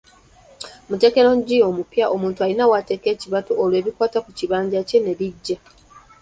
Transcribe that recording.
Mu ttekinologiya omupya omuntu alina w'ateeka ekibatu olwo ebikwata ku kibanja kye ne bijja.